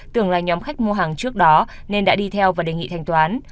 tưởng là nhóm khách mua hàng trước đó nên đã đi theo và đề nghị thanh toán